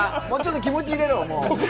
気持ち入れろよ！